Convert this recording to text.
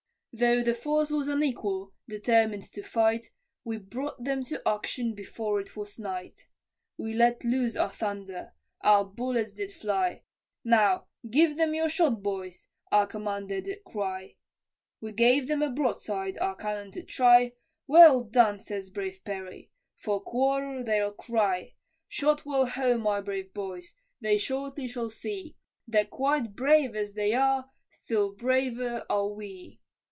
Though the force was unequal, determined to fight, We brought them to action before it was night; We let loose our thunder, our bullets did fly, "Now give them your shot, boys," our commander did cry. We gave them a broadside, our cannon to try, "Well done," says brave Perry, "for quarter they'll cry, Shot well home, my brave boys, they shortly shall see, That quite brave as they are, still braver are we."